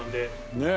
ねえ。